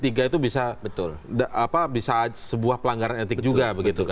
itu bisa sebuah pelanggaran etik juga